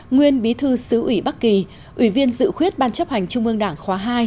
nguyên bí thư xứ ủy bắc kỳ ủy viên dự khuyết ban chấp hành trung ương đảng khóa hai